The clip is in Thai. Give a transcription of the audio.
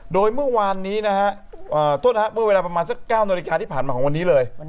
โดยเมื่อเวลาประมาณ๙นที่ผ่านมาของวันนี้เลย